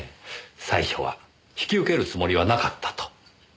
「最初は引き受けるつもりはなかった」と。